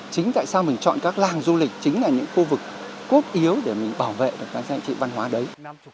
chính tại sao mình chọn các làng du lịch chính là những khu vực cốt yếu để mình bảo vệ được các danh trị văn hóa đấy